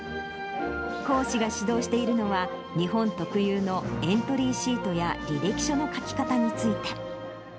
講師が指導しているのは、日本特有の、エントリーシートや履歴書の書き方について。